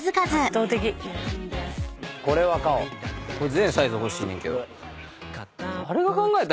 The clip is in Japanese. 全サイズ欲しいねんけど。